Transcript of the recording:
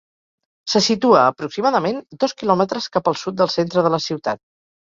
Se situa aproximadament dos quilòmetres cap al sud del centre de ciutat.